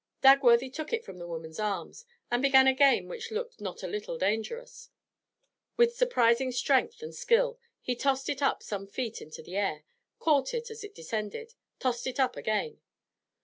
Dagworthy took it from the woman's arms, and began a game which looked not a little dangerous; with surprising strength and skill, he tossed it up some feet into the air, caught it as it descended, tossed it up again.